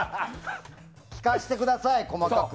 聞かせてください、細かく。